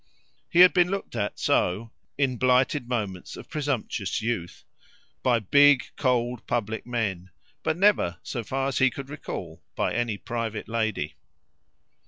He had been looked at so, in blighted moments of presumptuous youth, by big cold public men, but never, so far as he could recall, by any private lady.